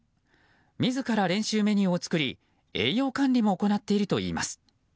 自ら練習メニューを作り栄養管理も行っているといいます。